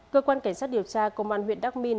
cơ quan cảnh sát điều tra công an huyện đắk minh